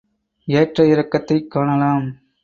ஏற்ற இறக்கத்தைக் காணலாம்.